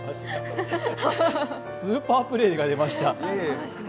スーパープレーが出ました。